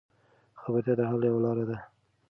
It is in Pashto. خبرتیا د حل یوه لار ده.